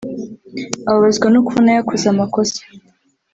Ababazwa no kubona yakoze amakosa